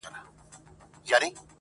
یو بوډا چي وو څښتن د کړوسیانو-